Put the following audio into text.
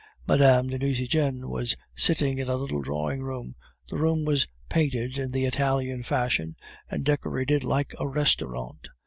Mme. de Nucingen was sitting in a little drawing room; the room was painted in the Italian fashion, and decorated like a restaurant.